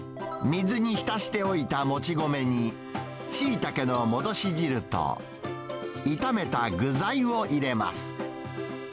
水に浸しておいたもち米に、シイタケの戻し汁と、炒めた具材を入れます。